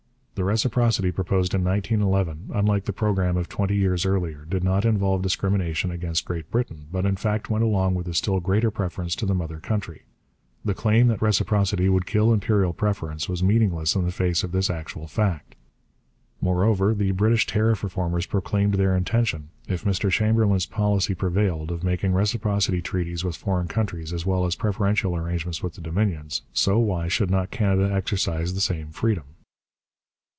The reciprocity proposed in 1911, unlike the programme of twenty years earlier, did not involve discrimination against Great Britain, but in fact went along with a still greater preference to the mother country. The claim that reciprocity would kill imperial preference was meaningless in face of this actual fact. Moreover, the British tariff reformers proclaimed their intention, if Mr Chamberlain's policy prevailed, of making reciprocity treaties with foreign countries as well as preferential arrangements with the Dominions, so why should not Canada exercise the same freedom?